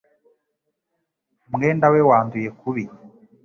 Umwenda we wanduye kubi